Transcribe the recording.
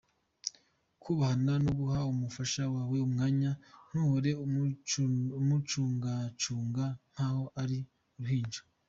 "Kubahana no guha umufasha wawe umwanya ntuhore umucungacunga nkaho ari uruhinja ”.